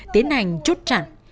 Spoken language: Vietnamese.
tiến hành chút chặn